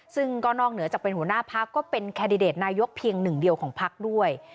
ซึ่งก็นอกเหนือจากเป็นหัวหน้าพักก็เป็นแคนดิเดตนายกเพียงหนึ่งเดียวของพักด้วย